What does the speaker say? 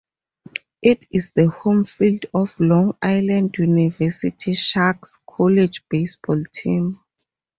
It is the home field of Long Island University Sharks college baseball team.